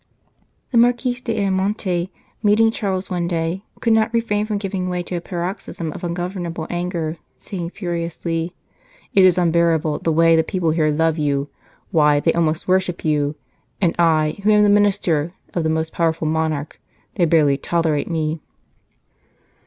The Marquis d Ayamonte, meeting Charles one day, could not refrain from giving way to a paroxysm of ungovernable anger, saying furiously : "It is unbearable, the way the people here love you ; why, they almost worship you. And I, who am the Minister of the most powerful monarch they barely tolerate me."